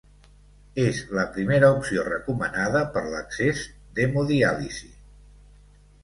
És la primera opció recomanada per l'accés d'hemodiàlisi.